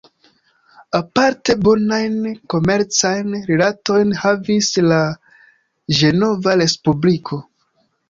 Aparte bonajn komercajn rilatojn havis la Ĝenova Respubliko.